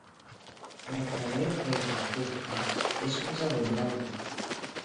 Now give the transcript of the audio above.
La pradera d'herba curta és més abundant.